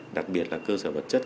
đặc biệt là cơ sở vật chất